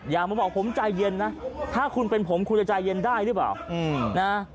อย่ามาบอกผมใจเย็นนะถ้าคุณเป็นผมคุณจะใจเย็นได้หรือเปล่านะ